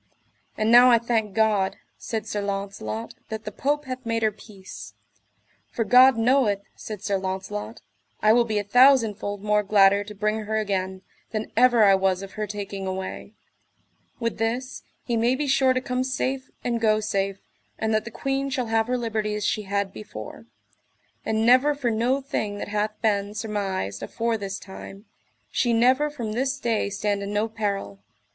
And now I thank God, said Sir Launcelot, that the Pope hath made her peace; for God knoweth, said Sir Launcelot, I will be a thousandfold more gladder to bring her again, than ever I was of her taking away; with this, I may be sure to come safe and go safe, and that the queen shall have her liberty as she had before; and never for no thing that hath been surmised afore this time, she never from this day stand in no peril.